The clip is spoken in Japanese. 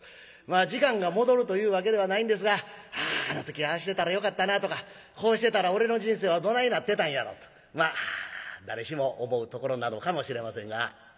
時間が戻るというわけではないんですがああの時ああしてたらよかったなとかこうしてたら俺の人生はどないなってたんやろうとまあ誰しも思うところなのかもしれませんが。